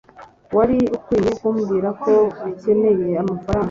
wari ukwiye kumbwira ko ukeneye amafaranga